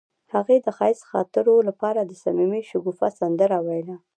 هغې د ښایسته خاطرو لپاره د صمیمي شګوفه سندره ویله.